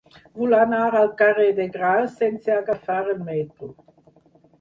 Vull anar al carrer de Graus sense agafar el metro.